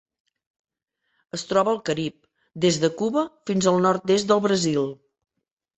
Es troba al Carib: des de Cuba fins al nord-est del Brasil.